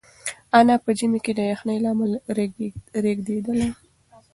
انا په ژمي کې د یخنۍ له امله رېږدېدله.